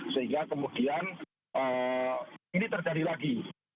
sehingga kemudian ini terjadi lagi